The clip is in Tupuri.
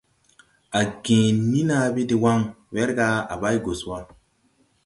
A gęę ni naabe dè wan, wɛrga à bày gus wa.